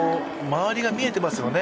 周りが見えてますよね。